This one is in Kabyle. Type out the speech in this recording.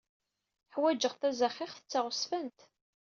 Ḥwajeɣ tazaxixt d taɣezfant.